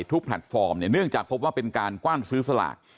แพลตฟอร์มเนี่ยเนื่องจากพบว่าเป็นการกว้านซื้อสลาก